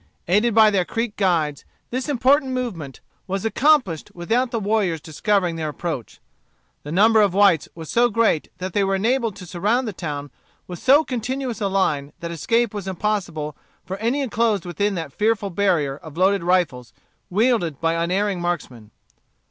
Aided by their Creek guides, this important movement was accomplished without the warriors discovering their approach. The number of the whites was so great that they were enabled to surround the town with so continuous a line that escape was impossible for any enclosed within that fearful barrier of loaded rifles wielded by unerring marksmen.